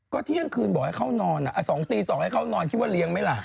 ก็เที่ยงคืนบอกให้เขานอน๒ตี๒ให้เขานอนคิดว่าเลี้ยงไหมล่ะ